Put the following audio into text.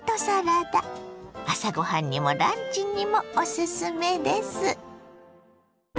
朝ご飯にもランチにもおすすめです。